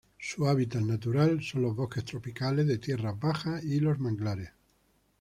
Su hábitat natural son los bosques tropicales de tierras bajas y los manglares.